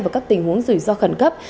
và các tình huống rủi ro khẩn cấp